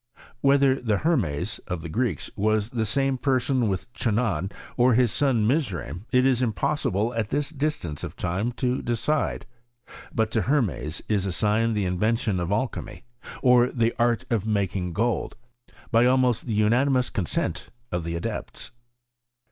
Whether the Hermes ('Bp/i^c) of the Greeks was the same person with Chanaan or his son Mizraim, it is impossible at this distance of time to decide ; but to Hermes is assigned the inven tion of alchymy, or the art of making gold, by almost the unanimous consent of the adepts.